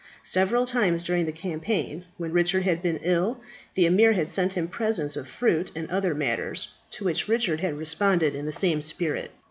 Several times during the campaign, when Richard had been ill, the emir had sent him presents of fruit and other matters, to which Richard had responded in the same spirit.